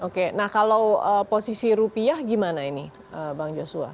oke nah kalau posisi rupiah gimana ini bang joshua